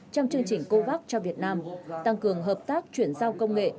trong chương trình covax cho việt nam tăng cường hợp tác chuyển giao công nghệ